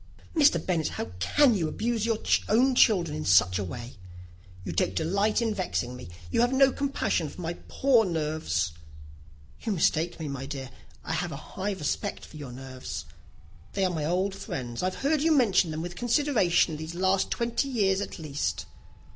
"Mr. Bennet, how can you abuse your own children in such a way? You take delight in vexing me. You have no compassion on my poor nerves." "You mistake me, my dear. I have a high respect for your nerves. They are my old friends. I have heard you mention them with consideration these twenty years at least."